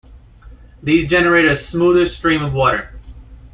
These generated a smoother stream of water.